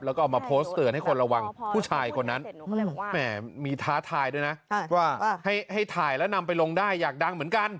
แล้วก็เอามาโพสต์เตือนให้คนระวังผู้ชายคนนั้นแหมมีท้าทายด้วยนะว่าให้ถ่ายแล้วนำไปลงได้อยากดังเหมือนกัน